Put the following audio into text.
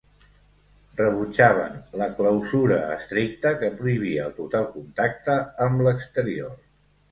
Rebutjaven la clausura estricta que prohibia el total contacte amb l'exterior.